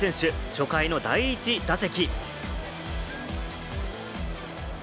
初回の第１打席。